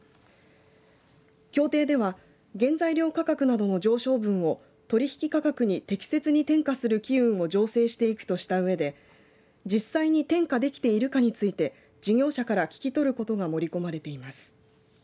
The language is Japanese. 協定では原材料価格などの上昇分を取引価格に適切に転嫁する機運を調整していくとしたうえで実際に転嫁できているかについて事業者から聞き取ることが盛り込まれています。